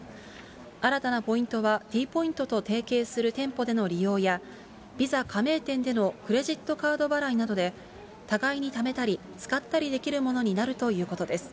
新たなポイントはＴポイントと提携する店舗での利用や、Ｖｉｓａ加盟店でのクレジットカード払いなどで、互いにためたり使ったりできるものになるということです。